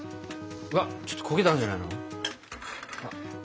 うわちょっと焦げたんじゃないの？